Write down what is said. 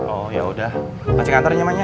oh yaudah masih nganter nyamanya